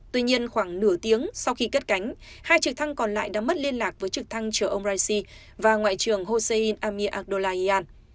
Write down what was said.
tuy nhiên khoảng nửa tiếng sau khi cất cánh hai trực thăng còn lại đã mất liên lạc với trực thăng chở ông raisi và ngoại trưởng josen amir acdollahian